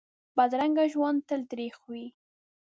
بدرنګه ژوند تل تریخ وي